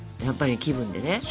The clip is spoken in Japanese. やっぱり気分でね。